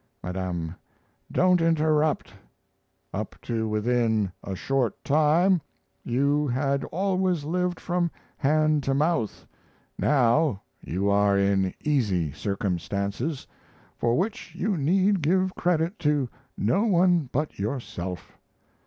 'Madame.' Don't interrupt. Up to within a short time you had always lived from hand to mouth now you are in easy circumstances for which you need give credit to no one but yourself.